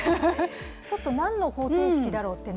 ちょっと何の方程式だろうってね。